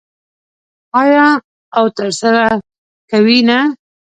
آیا او ترسره کوي یې نه؟